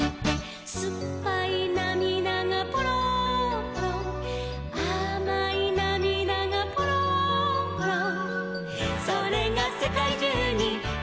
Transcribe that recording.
「すっぱいなみだがぽろんぽろん」「あまいなみだがぽろんぽろん」「それがせかいじゅうにちらばって」